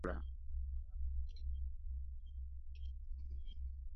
Gwe osigala mu maziga nga bo baseka na kugenda kufuna mumagalavu mulala gwe banaasuula.